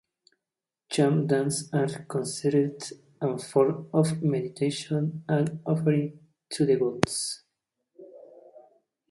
Cham dances are considered a form of meditation and an offering to the gods.